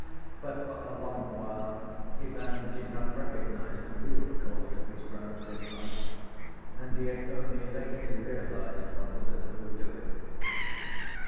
But for a long while Ivan did not recognize the real cause of his growing dislike and he had only lately realized what was at the root of it.